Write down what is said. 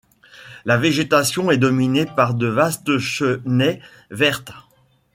La végétation est dominée par de vastes chênaies vertes.